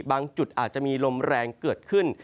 จุดอาจจะมีลมแรงเกิดขึ้น